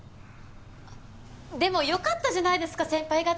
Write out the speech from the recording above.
でもよかったじゃないですか先輩方。